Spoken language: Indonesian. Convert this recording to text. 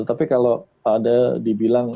tapi kalau ada dibilang